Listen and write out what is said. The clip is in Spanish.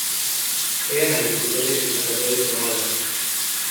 Eran agricultores y cazadores nómadas.